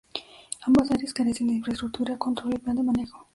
Ambas áreas carecen de infraestructura, control y plan de manejo.